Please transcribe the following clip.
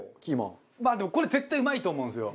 まあでもこれ絶対うまいと思うんですよ。